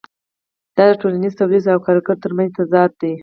دا د ټولنیز تولید او کارګر ترمنځ تضاد دی